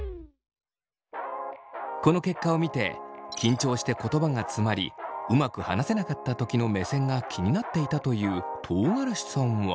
この結果を見て緊張して言葉がつまりうまく話せなかったときの目線が気になっていたという唐辛子さんは。